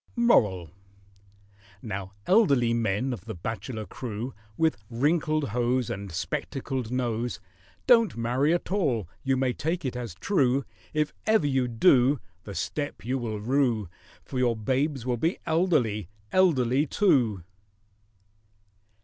MORAL. Now, elderly men of the bachelor crew, With wrinkled hose And spectacled nose, Don't marry at all—you may take it as true If ever you do The step you will rue, For your babes will be elderly—elderly too.